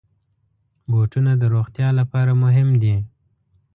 بوټونه د روغتیا لپاره مهم دي.